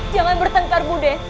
jangan bertengkar mude